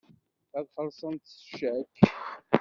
Ad xellṣent s ccak.